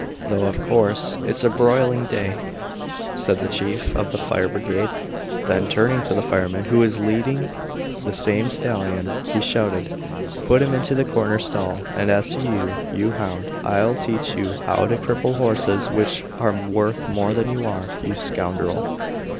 Though of course it's a broiling day," said the chief of the fire brigade; then, turning to the fireman who was leading the lame stallion, he shouted: "Put him into the corner stall. And as to you, you hound, I'll teach you how to cripple horses which are worth more than you are, you scoundrel."